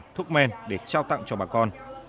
thuốc men để trao tặng cho bà con